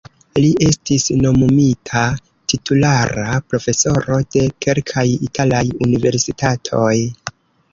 Li estis nomumita titulara profesoro de kelkaj italaj universitatoj.